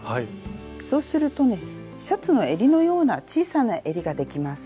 そうするとねシャツのえりのような小さなえりができます。